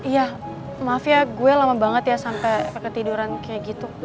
ya maaf ya gue lama banget ya sampai ketiduran kayak gitu